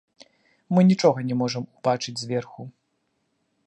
Мы нічога не можам убачыць зверху.